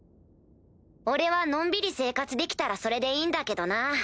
俺はのんびり生活できたらそれでいいんだけどな。